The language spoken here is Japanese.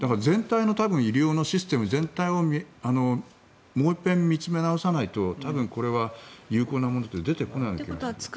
医療のシステム全体をもう一遍見つめ直さないと多分これは有効なものは出てこないと思います。